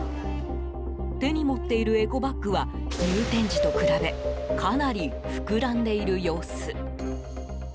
手に持っているエコバッグは入店時と比べかなり膨らんでいる様子。